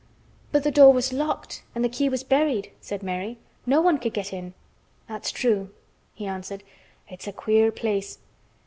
"But the door was locked and the key was buried," said Mary. "No one could get in." "That's true," he answered. "It's a queer place.